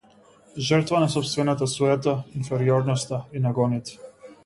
Жртва на сопствената суета, инфериорноста и нагоните.